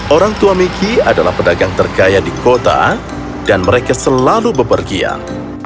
orang tua miki adalah pedagang terkaya di kota dan mereka selalu bepergian